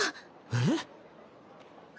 えっ？